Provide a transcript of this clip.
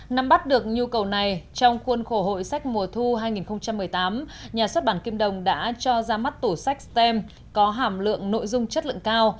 năm bắt được nhu cầu này trong khuôn khổ hội sách mùa thu hai nghìn một mươi tám nhà xuất bản kim đồng đã cho ra mắt tủ sách stem có hàm lượng nội dung chất lượng cao